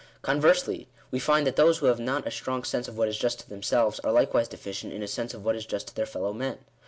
Conversely, we find that those who have not a strong sense of what is just to themselves, are likewise deficient in a sense of what is just to their fellow men.